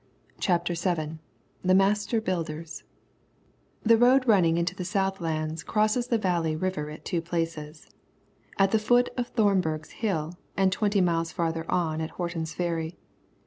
CHAPTER VII THE MASTER BUILDERS The road running into the south lands crosses the Valley River at two places, at the foot of Thornberg's Hill and twenty miles farther on at Horton's Ferry.